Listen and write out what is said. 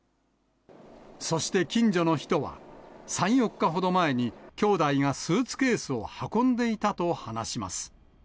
そして近所の人は、３、４日ほど前に、きょうだいがスーツケースを運んでいたと話します。